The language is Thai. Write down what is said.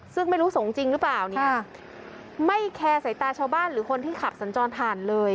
ซึ่งไม่รู้สงฆ์จริงหรือเปล่าเนี่ยไม่แคร์สายตาชาวบ้านหรือคนที่ขับสัญจรผ่านเลย